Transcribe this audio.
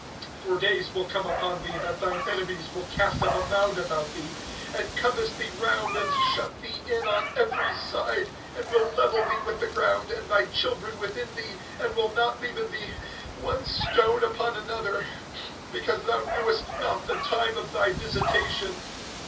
(43)For days will come upon thee, that thine enemies will cast up a mound about thee, and compass thee round, and shut thee in on every side, (44)and will level thee with the ground, and thy children within thee, and will not leave in thee one stone upon another; because thou knewest not the time of thy visitation.